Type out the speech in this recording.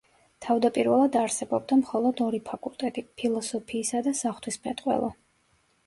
თავდაპირველად არსებობდა მხოლოდ ორი ფაკულტეტი: ფილოსოფიისა და საღვთისმეტყველო.